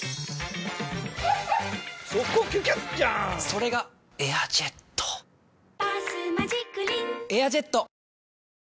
それが「エアジェット」「バスマジックリン」「エアジェット」！